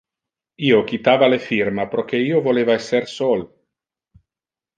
Io quitava le firma proque io voleva esser sol.